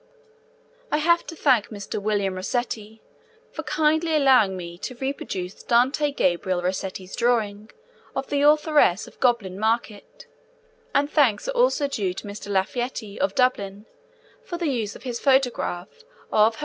I have to thank Mr. William Rossetti for kindly allowing me to reproduce Dante Gabriel Rossetti's drawing of the authoress of Goblin Market; and thanks are also due to Mr. Lafayette, of Dublin, for the use of his photograph of H.R.